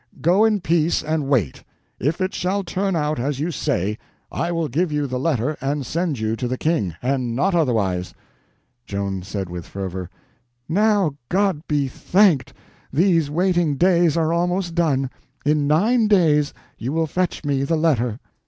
go in peace, and wait. If it shall turn out as you say, I will give you the letter and send you to the King, and not otherwise." Joan said with fervor: "Now God be thanked, these waiting days are almost done. In nine days you will fetch me the letter."